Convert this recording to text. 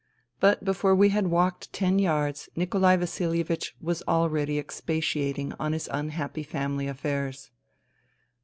But before we had walked ten yards Nikolai Vasilievich was already expatiating on his unhappy family affairs.